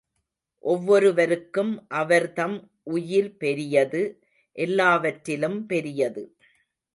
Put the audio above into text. ஒவ்வொருவருக்கும் அவர்தம் உயிர்பெரியது எல்லாவற்றிலும் பெரியது.